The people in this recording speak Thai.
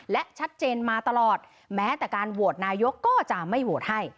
และชัดเจนมาตลอดแม้แต่การโหวตนายกก็จะไม่โหวตให้